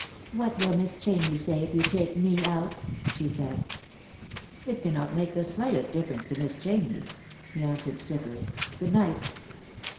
"What will Miss Chamney say if you take me out?" she said. " It cannot make the slightest difference to Miss Chamney," he answered stiffly. " Good night."